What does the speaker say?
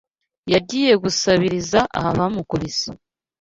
Yagiye gusabiriza ahava bamukubise